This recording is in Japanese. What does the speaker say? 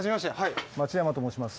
町山と申します。